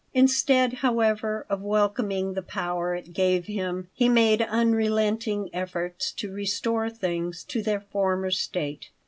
Instead, however, of welcoming the power it gave him, he made unrelenting efforts to restore things to their former state.